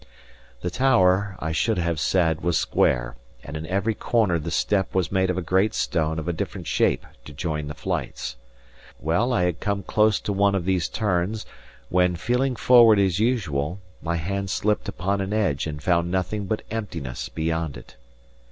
The tower, I should have said, was square; and in every corner the step was made of a great stone of a different shape to join the flights. Well, I had come close to one of these turns, when, feeling forward as usual, my hand slipped upon an edge and found nothing but emptiness beyond it.